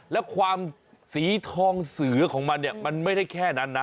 แล้วความสีทองเสือของมันเนี่ยมันไม่ได้แค่นั้นนะ